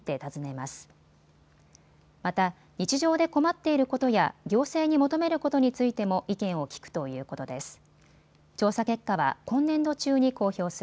また日常で困っていることや行政に求めることについても意見を聞くということです。